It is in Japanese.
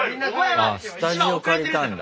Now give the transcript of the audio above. ああスタジオ借りたんだ。